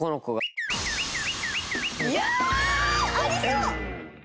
いやあ！ありそう！